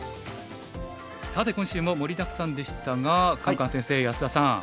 さて今週も盛りだくさんでしたがカンカン先生安田さん